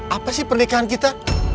apa sih pernikahan kita